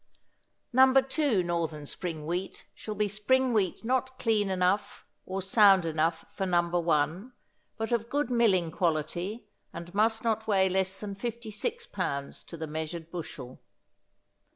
No. 2 Northern Spring Wheat shall be spring wheat not clean enough or sound enough for No. 1, but of good milling quality, and must not weigh less than 56 pounds to the measured bushel.